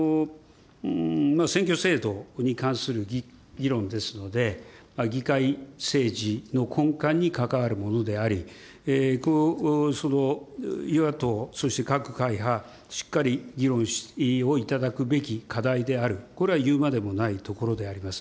選挙制度に関する議論ですので、議会政治の根幹に関わるものであり、その与野党、そして各会派、しっかり議論をいただくべき課題である、これは言うまでもないところであります。